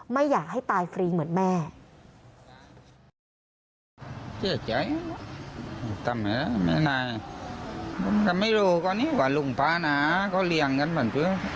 ไม่อยากให้ตายฟรีเหมือนแม่